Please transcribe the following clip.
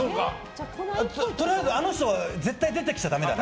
とりあえず、あの人絶対出てきちゃだめだね。